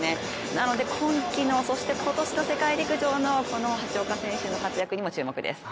なので今季の、そして今年の世界陸上の橋岡選手の活躍にも注目です。